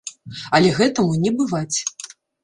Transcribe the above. Але гэтаму не бываць!